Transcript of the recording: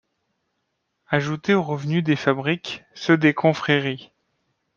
Ajouter aux revenus des fabriques, ceux des Confréries.